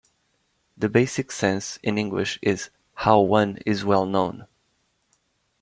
The basic sense in English is "how one is well known".